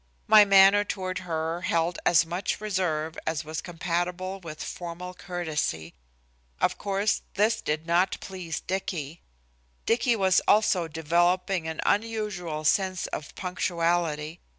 My manner toward her held as much reserve as was compatible with formal courtesy. Of course, this did not please Dicky. Dicky was also developing an unusual sense of punctuality.